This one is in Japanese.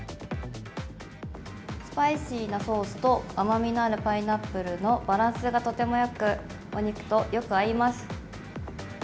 スパイシーなソースと甘みのあるパイナップルのバランスがとてもよく、お肉とよく合います。